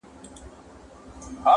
اوس به څوك رايادوي تېري خبري؛